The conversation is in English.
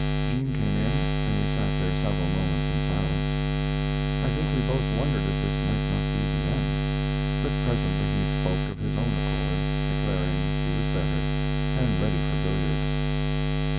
Jean came in, and we sat there several moments in silence. I think we both wondered if this might not be the end; but presently he spoke of his own accord, declaring he was better, and ready for billiards.